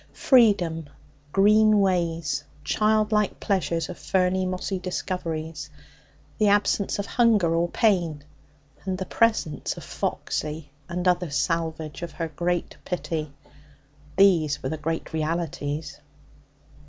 Freedom, green ways, childlike pleasures of ferny, mossy discoveries, the absence of hunger or pain, and the presence of Foxy and other salvage of her great pity these were the great realities.